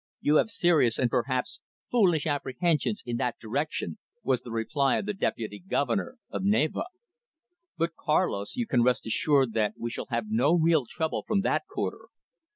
You have serious and perhaps foolish apprehensions in that direction," was the reply of the Deputy Governor of Navarre. "But, Carlos, you can rest assured that we shall have no real trouble from that quarter.